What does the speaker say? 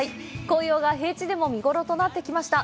紅葉が平地でも見ごろとなってきました。